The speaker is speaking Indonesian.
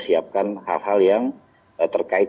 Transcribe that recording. siapkan hal hal yang terkait